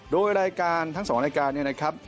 โดยรายการทั้ง๒รายการเนี่ยนะครับ